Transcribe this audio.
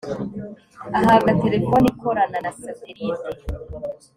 ahabwa telefoni ikorana na satelite